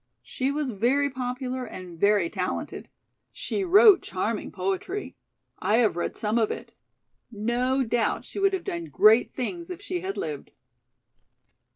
She was very popular and very talented. She wrote charming poetry. I have read some of it. No doubt she would have done great things if she had lived."